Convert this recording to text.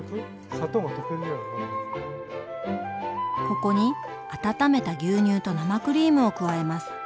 ここに温めた牛乳と生クリームを加えます。